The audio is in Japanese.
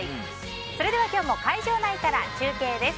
そして今日も会場内から中継です。